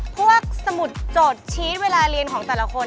พวกสมุดโจทย์ชีสเวลาเรียนของแต่ละคน